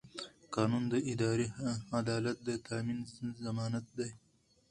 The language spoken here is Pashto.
قانون د اداري عدالت د تامین ضمانت دی.